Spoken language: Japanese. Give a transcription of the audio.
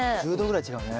１０℃ぐらい違うね。